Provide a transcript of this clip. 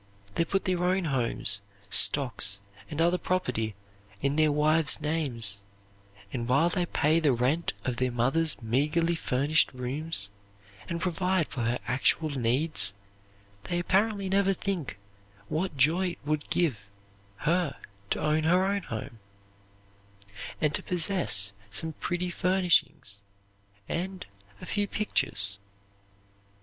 They put their own homes, stocks, and other property in their wives' names, and while they pay the rent of their mother's meagerly furnished rooms and provide for her actual needs, they apparently never think what joy it would give her to own her own home, and to possess some pretty furnishings, and a few pictures.